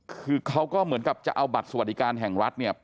คือเขาก็เหมือนกับจะเอาบัตรสวัสดิการแห่งรัฐเนี่ย